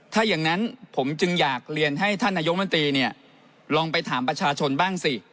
ถ้าอย่างนั้นผมจึงอยากเรียนให้ท่านนายกมนตรีเนี่ยลองไปถามประชาชนบ้างสิ